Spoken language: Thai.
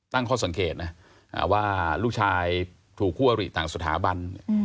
ตั้งข้อสังเกตนะว่าลูกชายถูกคู่อริต่างสถาบัน